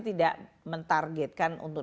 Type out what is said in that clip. tidak men targetkan untuk